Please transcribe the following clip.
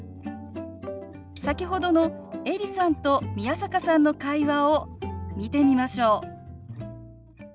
先ほどのエリさんと宮坂さんの会話を見てみましょう。